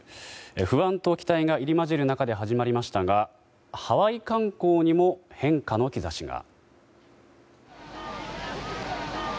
不安と期待が入り混じる中で始まりましたがハワイ観光にも変化の兆しが。